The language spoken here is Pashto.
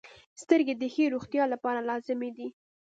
• سترګې د ښې روغتیا لپاره لازمي دي.